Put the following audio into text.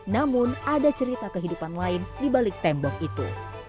namun ada cerita kehidupan lain di balik tembok itu